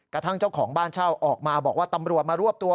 กระทั่งเจ้าของบ้านเช่าออกมาบอกว่าตำรวจมารวบตัว